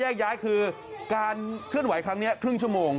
ย้ายคือการเคลื่อนไหวครั้งนี้ครึ่งชั่วโมง